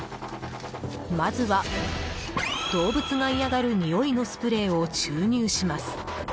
まずは、動物が嫌がるにおいのスプレーを注入します。